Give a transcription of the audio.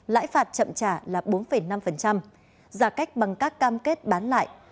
lãi phạt chậm trả là bốn năm giả cách bằng các cam kết bán lại